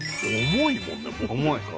重いもんね。